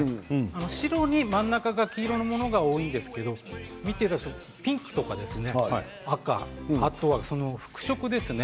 白に真ん中、黄色のものが多いんですがピンクとか赤それから複色ですね